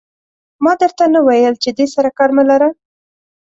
ما در ته نه ویل چې دې سره کار مه لره.